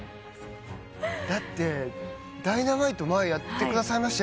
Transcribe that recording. だって『Ｄｙｎａｍｉｔｅ』前やってくださいましたよね？